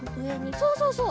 そうそうそう。